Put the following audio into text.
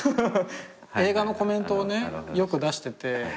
映画のコメントをねよく出してて。